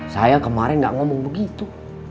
saya kemarin gak ngomong begitu